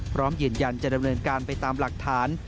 พร้อมยืนยันจะดำเนินการไปตามหลักฐาน